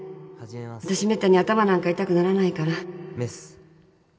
わたしめったに頭なんか痛くならないからメス。